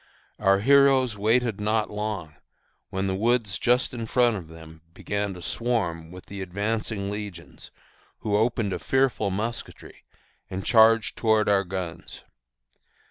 Our heroes waited not long, when the woods just in front of them began to swarm with the advancing legions, who opened a fearful musketry, and charged toward our guns.